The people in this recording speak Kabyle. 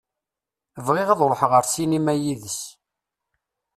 Bɣiɣ ad ṛuḥeɣ ar ssinima yid-s.